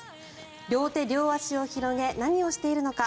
両手両足を広げ何をしているのか。